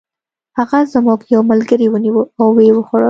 هغه زموږ یو ملګری ونیوه او و یې خوړ.